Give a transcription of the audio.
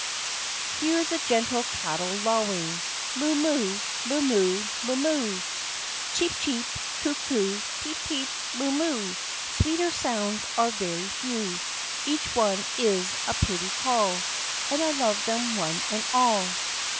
Hear the gentle cattle lowing , M00, moo ! moo , 7^00/ moo , 7^00/ Cheep , cheep! koo , koo! peep, peep! moo, moo! Sweeter sounds are very few. Each one is a pretty call And I love them one and all.